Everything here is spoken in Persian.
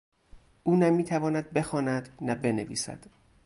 او نه میتواند بخواند نه بنویسد.